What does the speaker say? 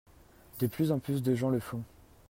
De plus en plus de gens le font.